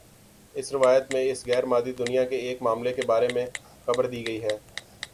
اس روایت میں اس غیر مادی دنیا کے ایک معاملے کے بارے میں خبردی گئی ہے